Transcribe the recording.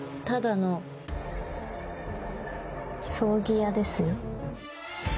ただの葬儀屋ですよ。